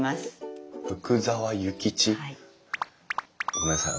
ごめんなさい